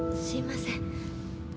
すいません。